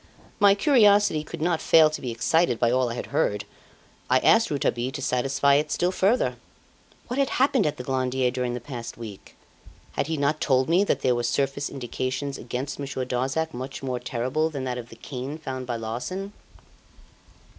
My curiosity could not fail to be excited by all I had heard. I asked Rouletabille to satisfy it still further. What had happened at the Glandier during the past week? Had he not told me that there were surface indications against Monsieur Darzac much more terrible than that of the cane found by Larsan?